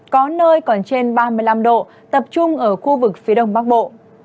có nơi còn trên ba mươi năm độ tập trung ở khu vực phía đông bắc bộ